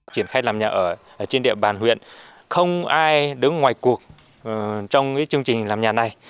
triển khai làm nhà ở trên địa bàn huyện không ai đứng ngoài cuộc trong chương trình làm nhà này